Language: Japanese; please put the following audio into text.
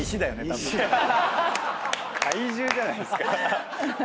怪獣じゃないっすか。